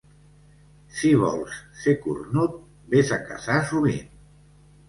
Si vols ser cornut, ves a caçar sovint.